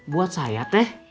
buat saya teh